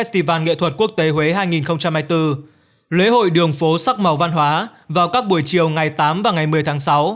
văn nghệ thuật quốc tế huế hai nghìn hai mươi bốn lễ hội đường phố sắc màu văn hóa vào các buổi chiều ngày tám và ngày một mươi tháng sáu